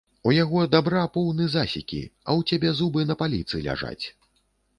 У яго дабра поўны засекі, а ў цябе зубы на паліцы ляжаць.